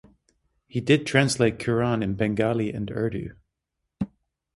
He did translate Quran in Bengali and Urdu.